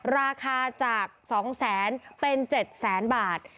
ราคาจาก๒๐๐๐๐๐เป็น๗๐๐๐๐๐บาท